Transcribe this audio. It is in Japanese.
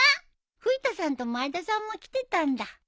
冬田さんと前田さんも来てたんだ。